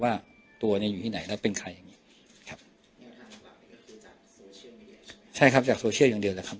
ว่าตัวเนี่ยอยู่ที่ไหนแล้วเป็นใครอย่างนี้ครับใช่ครับจากโซเชียลอย่างเดียวแหละครับ